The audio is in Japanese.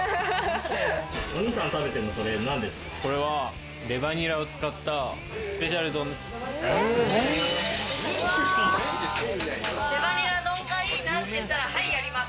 お兄さんが食べてるのなんでこれはレバニラを使ったスペシャル丼です。